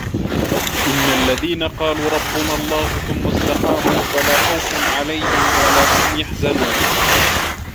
إِنَّ الَّذينَ قالوا رَبُّنَا اللَّهُ ثُمَّ استَقاموا فَلا خَوفٌ عَلَيهِم وَلا هُم يَحزَنونَ